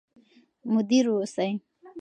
مدیر اوسئ.